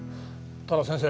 ただ先生。